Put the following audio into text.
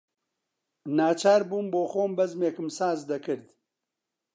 ناچار بووم بۆخۆم بەزمێکم ساز دەکرد